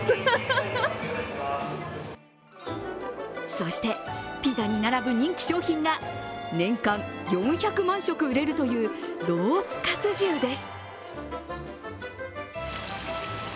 そしてピザに並ぶ人気商品が年間４００万食売れるというロースかつ重です。